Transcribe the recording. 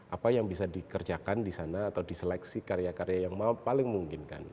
apa yang bisa dikerjakan di sana atau diseleksi karya karya yang paling memungkinkan